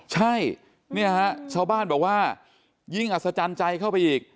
ใช่เนี่ยฮะชาวบ้านบอกว่ายิ่งอัศจรรย์ใจเข้าไปอีก